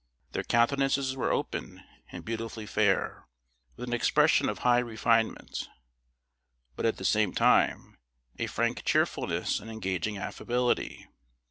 Their countenances were open and beautifully fair, with an expression of high refinement, but at the same time a frank cheerfulness and engaging affability.